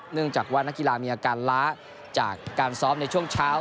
เนื่องจากว่านักกีฬามีอาการล้าจากการซ้อมในช่วงเช้า